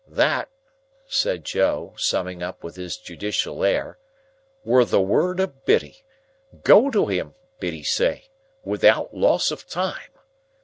That," said Joe, summing up with his judicial air, "were the word of Biddy. 'Go to him,' Biddy say, 'without loss of time.